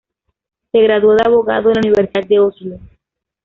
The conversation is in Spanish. Se graduó de abogado en la Universidad de Oslo.